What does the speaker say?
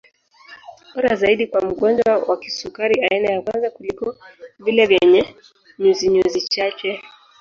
Bora zaidi kwa mgonjwa wa kisukari aina ya kwanza kuliko vile vyenye nyuzinyuzi chache